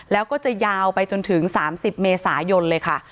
แล้วก็จะยาวไปจนถึง๓๐เมษายนเลยค่ะ